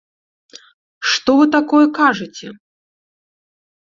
Што вы такое кажаце?!